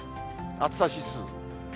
暑さ指数。